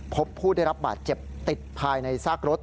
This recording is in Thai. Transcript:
พบผู้ได้รับบาดเจ็บติดภายในซากรถ